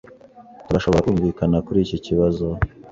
Turashobora kumvikana kuri iki kibazo?